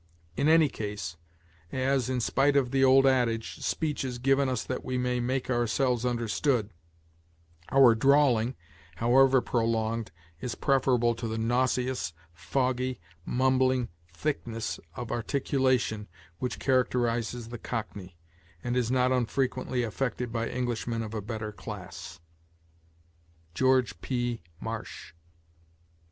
In any case, as, in spite of the old adage, speech is given us that we may make ourselves understood, our drawling, however prolonged, is preferable to the nauseous, foggy, mumbling thickness of articulation which characterizes the cockney, and is not unfrequently affected by Englishmen of a better class." George P. Marsh.